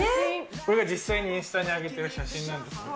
これが実際にインスタに上げてる写真なんですよね。